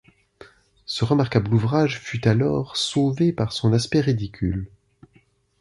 Ce remarquable ouvrage fut alors sauvé par son aspect ridicule.